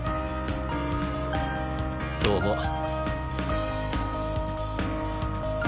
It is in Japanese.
どうも。